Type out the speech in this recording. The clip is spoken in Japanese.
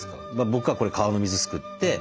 僕はこれ川の水すくって。